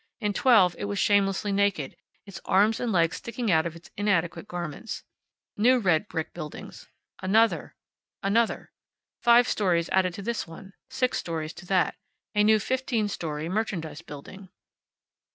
In twelve it was shamelessly naked, its arms and legs sticking out of its inadequate garments. New red brick buildings another another. Five stories added to this one, six stories to that, a new fifteen story merchandise building.